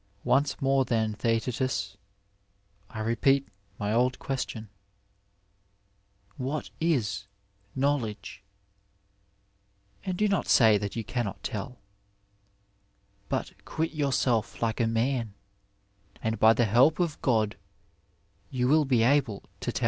Once more^ then, llieetetus, I repeat my old question, *' What la knowledge 7 " and do not say that you cannot tell ; but quit your self like a man, and by the help of God you will be able to teU.